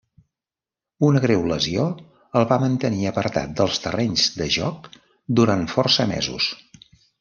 Una greu lesió el va mantenir apartat dels terrenys de joc durant força mesos.